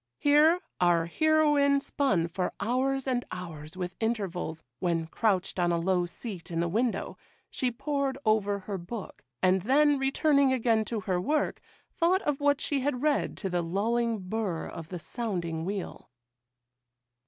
Here our heroine spun for hours, and hours with intervals, when, crouched on a low seat in the window, she pored over her book, and then, returning again to her work, thought of what she had read to the lulling burr of the sounding wheel.